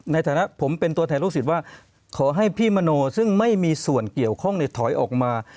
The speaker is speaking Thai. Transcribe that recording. ในฐานะผมเป็นตัวแทนลูกศิษย์ว่าขอให้พี่มโนซึ่งไม่มีส่วนเกี่ยวข้องในถอยออกมา